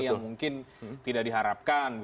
yang mungkin tidak diharapkan